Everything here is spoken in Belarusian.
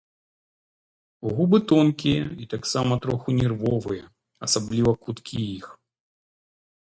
Губы тонкія і таксама троху нервовыя, асабліва куткі іх.